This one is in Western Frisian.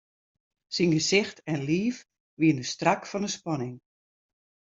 Syn gesicht en liif wiene strak fan 'e spanning.